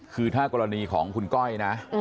คือถ้ากรณีของคุณก้อยนะ